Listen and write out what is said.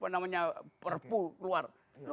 namanya perpu keluar